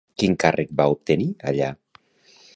Quin càrrec va obtenir allà?